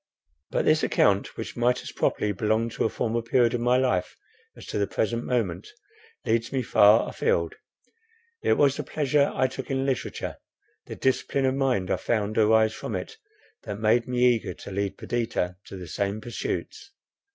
But this account, which might as properly belong to a former period of my life as to the present moment, leads me far afield. It was the pleasure I took in literature, the discipline of mind I found arise from it, that made me eager to lead Perdita to the same pursuits.